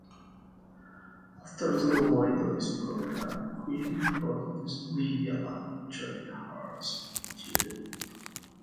After the Voidoids broke up, Quine recorded with Lydia Lunch, Jody Harris and Material.